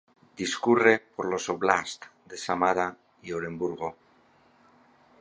Discurre por los "óblasts" de Samara y Oremburgo.